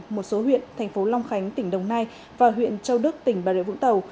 một số huyện tp long khánh tỉnh đồng nai và huyện châu đức tỉnh bà rịa vũng tàu